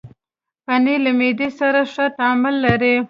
پنېر له معدې سره ښه تعامل لري.